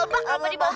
jonah ada ke salah